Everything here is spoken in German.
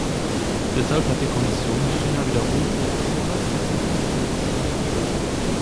Deshalb hat die Kommission China wiederholt aufgefordert, diese Urteile zu revidieren.